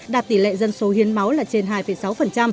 đạt tỷ lệ dân số hiến máu là trên hai sáu